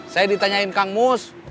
saya ditanyain kang mus